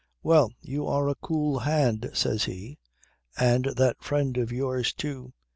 "Well, you are a cool hand," says he. "And that friend of yours too.